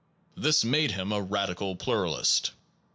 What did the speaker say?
This made of him a radical pluralist.